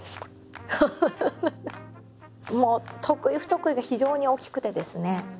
もう得意不得意が非常に大きくてですね